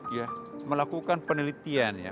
ya melakukan penelitian ya